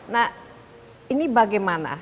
nah ini bagaimana